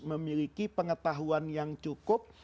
memiliki pengetahuan yang cukup